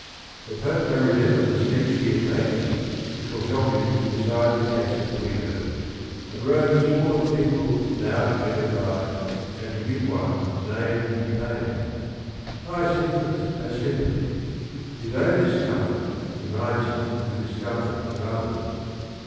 The Pope may re member the speech he is making which will help him to decide the case of Guido, and Rome is full of people now to edify, and to give one name and fam«. Hyacinthus has sympathy; his own discomfort reminds him of the discomfort of others.